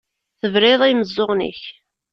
Tebriḍ i yimeẓẓuɣen-ik.